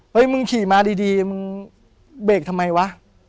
มึงขี่มาดีมึงเบรกทำไมวะ